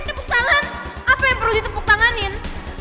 tepuk tangan apa yang perlu ditepuk tanganin